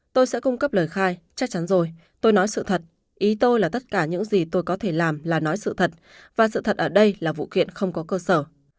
tôi sẽ cung cấp lời khai chắc chắn rồi tôi nói sự thật ý tôi là tất cả những gì tôi có thể làm là nói sự thật và sự thật ở đây là vụ kiện không có cơ sở